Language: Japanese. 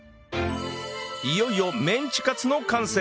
いよいよメンチカツの完成